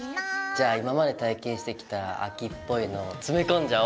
じゃあ今まで体験してきた秋っぽいのを詰め込んじゃお！